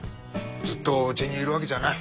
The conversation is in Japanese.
ずっとうちにいるわけじゃない。